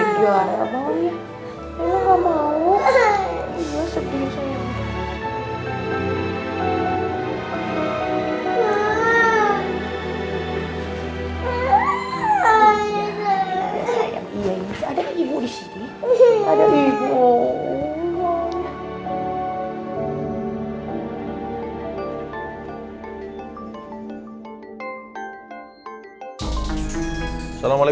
begitu aneh kamu mau ya